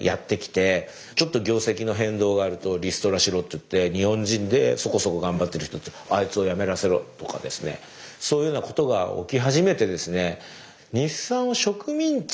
ちょっと業績の変動があるとリストラしろって言って日本人でそこそこ頑張ってる人たちをあいつをやめさせろとかですねそういうようなことが起き始めてですね